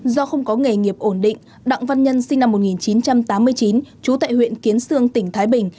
do không có nghề nghiệp ổn định đặng văn nhân sinh năm một nghìn chín trăm tám mươi chín trú tại huyện kiến sương tỉnh thái bình